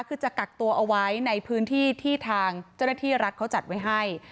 คือจะกักตัวเอาไว้ในพื้นที่ที่ทางเจ้าหน้าที่รัฐเขาจัดไว้ให้